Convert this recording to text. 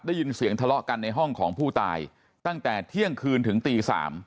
ได้ยินเสียงทะเลาะกันในห้องของผู้ตายตั้งแต่เที่ยงคืนถึงตี๓